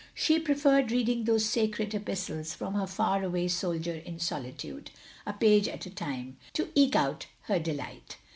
She preferred reading those sacred epistles from her far away soldier in solitude. A page at a time, to eke out her delight.